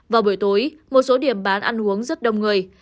vào buổi tối một số điểm bán ăn uống rất đông người